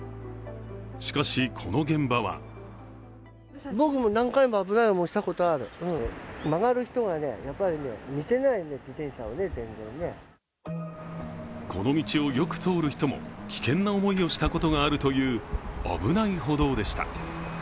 しかし、この現場はこの道をよく通る人も危険な思いをしたことがあるという危ない歩道でした。